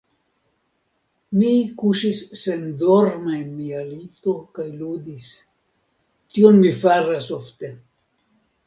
Mi kuŝis sendorma en mia lito kaj ludis; tion mi faras ofte.